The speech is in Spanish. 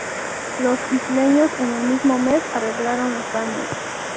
Los isleños en el mismo mes arreglaron los daños.